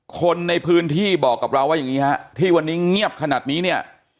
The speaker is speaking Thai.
คนในพื้นที่บอกกับเราว่าอย่างนี้ฮะที่วันนี้เงียบขนาดนี้เนี่ย